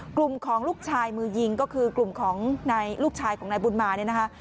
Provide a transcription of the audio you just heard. กลุ่มของลูกชายมือยิงก็คือกลุ่มของนายลูกชายของนายบุญมาเนี่ยนะคะ